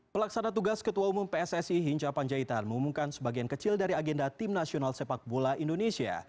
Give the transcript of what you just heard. pelaksana tugas ketua umum pssi hinca panjaitan mengumumkan sebagian kecil dari agenda tim nasional sepak bola indonesia